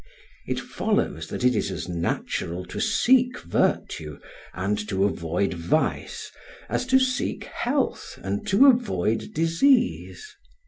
] It follows that it is as natural to seek virtue and to avoid vice as to seek health and to avoid disease.